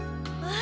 あ！